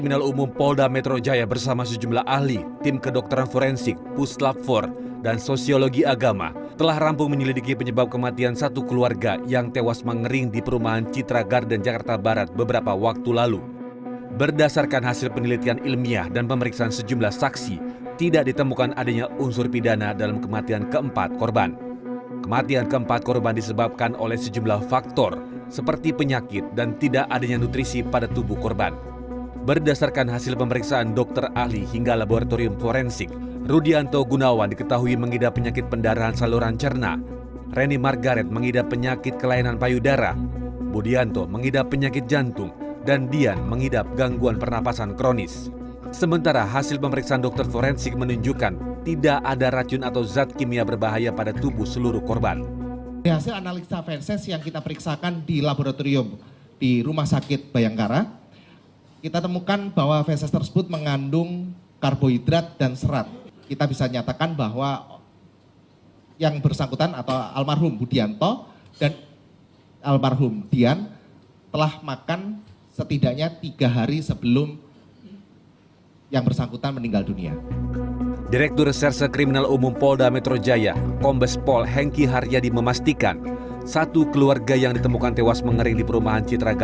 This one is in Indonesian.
atas hasil temuan tersebut di treskrim mumpolda metro jaya resmi menghentikan penyelidikan dalam kasus ini